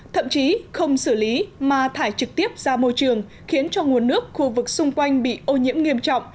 thậm chí không xử lý mà thải trực tiếp ra môi trường khiến cho nguồn nước khu vực xung quanh bị ô nhiễm nghiêm trọng